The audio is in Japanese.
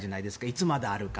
いつまであるか。